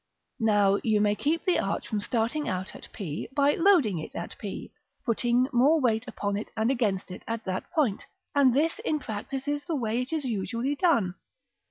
§ V. Now you may keep the arch from starting out at p by loading it at p, putting more weight upon it and against it at that point; and this, in practice, is the way it is usually done.